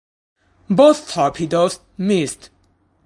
Both torpedoes missed.